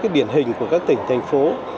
nhiều các biển hình của các tỉnh thành phố